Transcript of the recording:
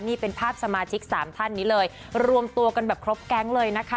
นี่เป็นภาพสมาชิกสามท่านนี้เลยรวมตัวกันแบบครบแก๊งเลยนะคะ